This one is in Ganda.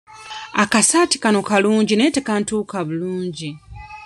Akasaati kano kalungi naye tekantuuka bulungi.